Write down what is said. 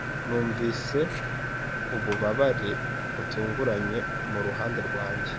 Numvise ububabare butunguranye muruhande rwanjye.